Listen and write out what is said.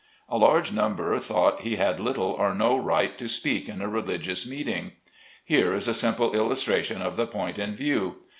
A large number thought he had little or no right to speak in a religious meeting. Here is a simple illustration of the point in view.